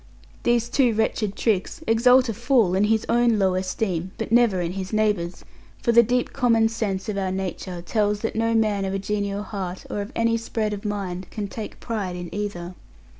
These two wretched tricks exalt a fool in his own low esteem, but never in his neighbour's; for the deep common sense of our nature tells that no man of a genial heart, or of any spread of mind, can take pride in either.